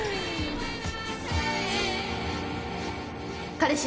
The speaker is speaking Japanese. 彼氏